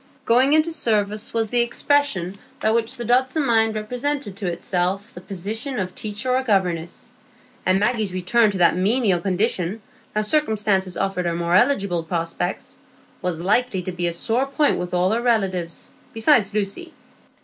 "Going into service" was the expression by which the Dodson mind represented to itself the position of teacher or governess; and Maggie's return to that menial condition, now circumstances offered her more eligible prospects, was likely to be a sore point with all her relatives, besides Lucy.